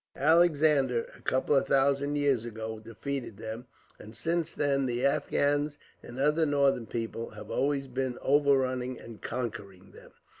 Alexander, a couple of thousand years ago, defeated them; and since then the Afghans, and other northern peoples, have been always overrunning and conquering them.